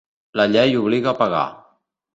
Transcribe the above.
La llei obliga a pagar.